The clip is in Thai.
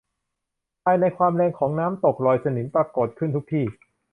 ภายในความแรงของน้ำตกรอยสนิมปรากฏขึ้นทุกที่